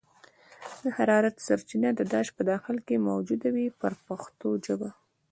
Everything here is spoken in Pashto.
د حرارت سرچینه د داش په داخل کې موجوده وي په پښتو ژبه.